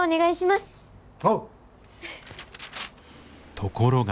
ところが。